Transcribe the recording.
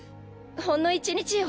ほんの１日よ。